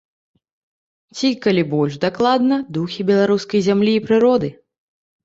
Ці, калі больш дакладна, духі беларускай зямлі і прыроды.